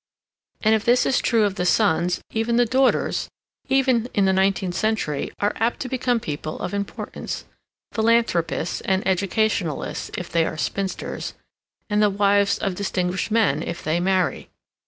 And if this is true of the sons, even the daughters, even in the nineteenth century, are apt to become people of importance—philanthropists and educationalists if they are spinsters, and the wives of distinguished men if they marry.